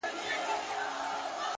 خپل ژوند د پوهې او عمل په رڼا جوړ کړئ,